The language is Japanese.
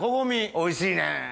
おいしいねん。